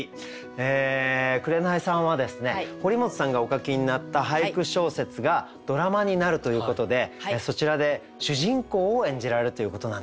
紅さんはですね堀本さんがお書きになった俳句小説がドラマになるということでそちらで主人公を演じられるということなんですね。